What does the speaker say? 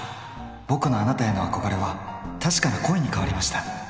ボクのあなたへの憧れは確かな恋に変わりました！！